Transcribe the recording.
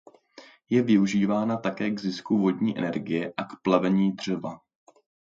Je využívána také k zisku vodní energie a k plavení dřeva.